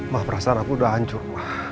ma merasa aku udah hancur